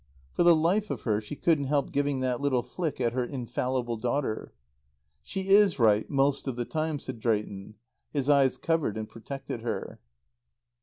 For the life of her she couldn't help giving that little flick at her infallible daughter. "She is right most of the time," said Drayton. His eyes covered and protected her.